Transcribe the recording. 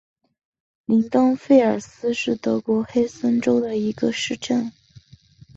林登费尔斯是德国黑森州的一个市镇。